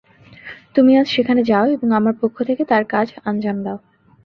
তুমি আজ সেখানে যাও এবং আমার পক্ষ থেকে তার কাজ আঞ্জাম দাও।